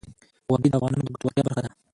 وادي د افغانانو د ګټورتیا برخه ده.